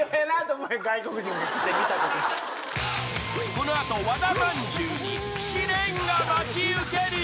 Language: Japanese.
［この後和田まんじゅうに試練が待ち受ける］